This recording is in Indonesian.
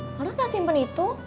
mana kak simpen itu